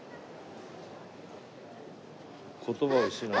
言葉を失う。